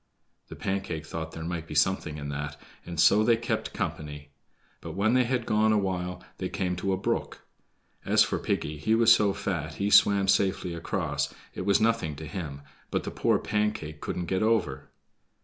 The Pancake thought there might be something in that, and so they kept company. But when they had gone awhile, they came to a brook. As for Piggy, he was so fat he swam safely across, it was nothing to him; but the poor Pancake couldn't get over.